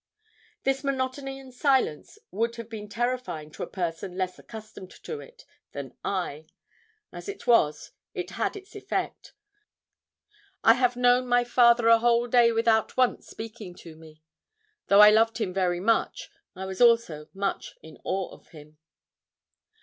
This monotony and silence would have been terrifying to a person less accustomed to it than I. As it was, it had its effect. I have known my father a whole day without once speaking to me. Though I loved him very much, I was also much in awe of him.